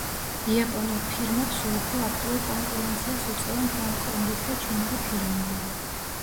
იაპონურ ფირმებს სულ უფრო აქტიურ კონკურენციას უწევენ ჰონგ-კონგის და ჩინური ფირმები.